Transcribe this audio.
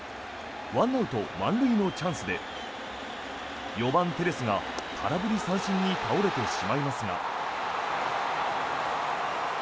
１アウト満塁のチャンスで４番、テレスが空振り三振に倒れてしまいますが。